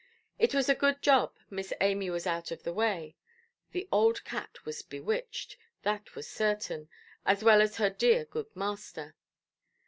It was a good job Miss Amy was out of the way; the old cat was bewitched, that was certain, as well as her dear good master.